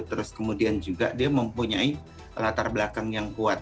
terus kemudian juga dia mempunyai latar belakang yang kuat